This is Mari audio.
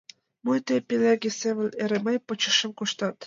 — Мо тый, пинеге семын, эре мый почешем коштат!